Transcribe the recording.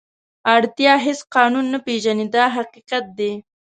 اړتیا هېڅ قانون نه پېژني دا حقیقت دی.